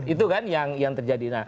itu kan yang terjadi